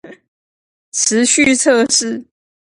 持續測試